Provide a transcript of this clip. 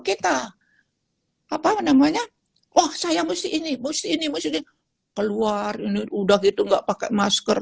kita apa namanya oh saya mesti ini mesti ini mesti keluar ini udah gitu enggak pakai masker